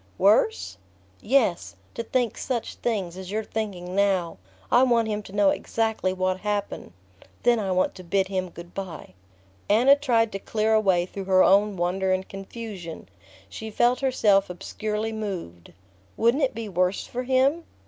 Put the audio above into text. "Worse?" "Yes to think such things as you're thinking now...I want him to know exactly what happened ... then I want to bid him good bye." Anna tried to clear a way through her own wonder and confusion. She felt herself obscurely moved. "Wouldn't it be worse for him?"